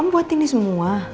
om buat ini semua